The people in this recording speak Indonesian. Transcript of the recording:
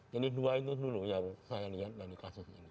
jadi dua itu dulu yang saya lihat dari kasus ini